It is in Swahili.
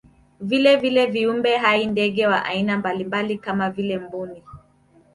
Vilevile viumbe hai ndege wa aina mbalimbali kama vile mbuni